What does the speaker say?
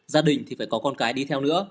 gia đình thì phải có con cái đi theo nữa